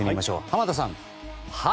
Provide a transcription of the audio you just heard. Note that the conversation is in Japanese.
濱田さん。